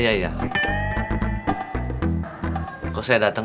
pergi kementerian mesir